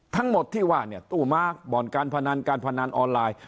ทั้งหมดที่ว่าเนี่ยตู้ม้าบ่อนการพนันการพนันออนไลน์